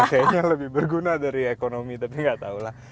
kayaknya lebih berguna dari ekonomi tapi nggak tahu lah